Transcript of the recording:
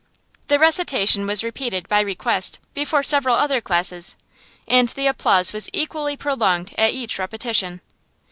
The recitation was repeated, by request, before several other classes, and the applause was equally prolonged at each repetition.